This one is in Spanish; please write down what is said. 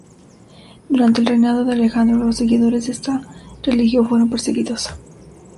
Durante el reinado de Alejandro, los seguidores de esta religión fueron perseguidos.